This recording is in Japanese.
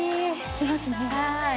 しますね。